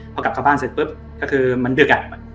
พอกลับเข้าบ้านเสร็จปุ๊บก็คือมันดึก